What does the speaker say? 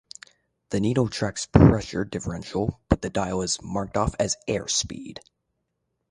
The needle tracks pressure differential but the dial is marked off as airspeed.